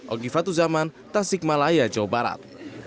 ogifat tuzaman tasik malaya jawa barat